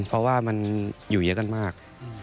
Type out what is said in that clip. เพราะว่ามันอยู่เยอะกันมาก